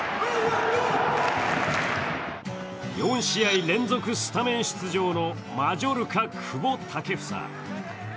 ４試合連続スタメン出場のマジョルカ・久保建英。